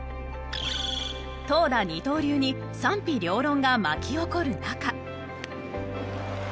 投打二刀流に賛否両論が巻き起こる中。